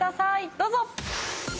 どうぞ！